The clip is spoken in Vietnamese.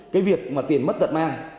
cái việc mà tiền mất tận mang